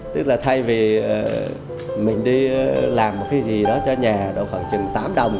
tức là thay vì mình đi làm một cái gì đó cho nhà độ khoảng chừng tám đồng